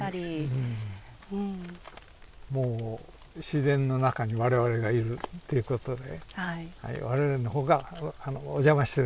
もう自然の中に我々がいるっていうことで我々の方があのお邪魔してるんですよ。